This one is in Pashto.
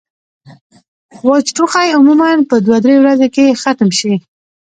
وچ ټوخی عموماً پۀ دوه درې ورځې کښې ختم شي